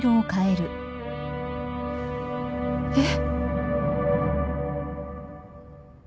えっ？